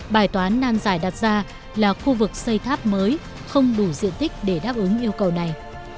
bài toán nan giải đặt ra là khu vực xây tháp mới không đủ diện tích để đáp ứng yêu cầu này